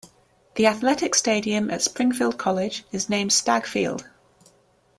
The athletic stadium at Springfield College is named Stagg Field.